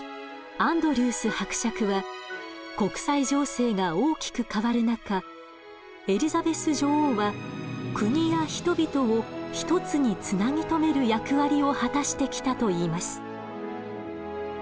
アンドリュース伯爵は国際情勢が大きく変わる中エリザベス女王は国や人々を一つにつなぎ止める役割を果たしてきたといいます。